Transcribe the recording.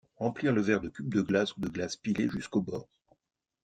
Remplir le verre de cube de glace ou de glace pilée jusqu'au bord.